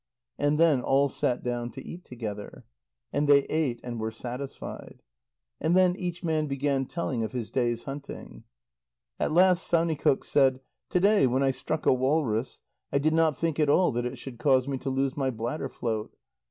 And then all sat down to eat together. And they ate and were satisfied. And then each man began telling of his day's hunting. At last Saunikoq said: "To day, when I struck a walrus, I did not think at all that it should cause me to lose my bladder float.